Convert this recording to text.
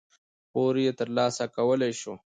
پور یې ترلاسه کولای شو.